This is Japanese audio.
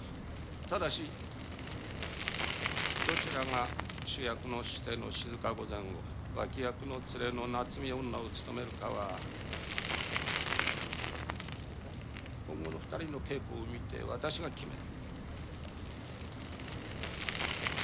ただしどちらが主役のシテの静御前を脇役のツレの菜摘女を務めるかは今後の２人の稽古を見て私が決める。